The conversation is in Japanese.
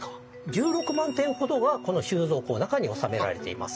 １６万点ほどはこの収蔵庫の中に収められています。